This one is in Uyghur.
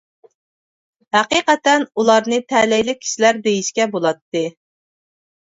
ھەقىقەتەن ئۇلارنى تەلەيلىك كىشىلەر دېيىشكە بولاتتى.